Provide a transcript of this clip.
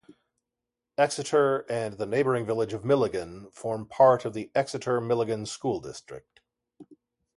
Exeter and the neighboring village of Milligan form part of the Exeter-Milligan School District.